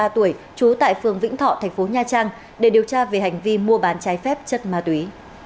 ba mươi tuổi trú tại phường vĩnh thọ thành phố nha trang để điều tra về hành vi mua bán trái phép chất ma túy